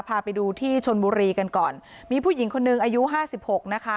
พาไปดูที่ชนบุรีกันก่อนมีผู้หญิงคนหนึ่งอายุห้าสิบหกนะคะ